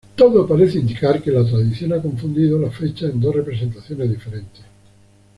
Todo parece indicar que la tradición ha confundido las fechas de dos representaciones diferentes.